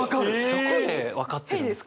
どこで分かってるんですか？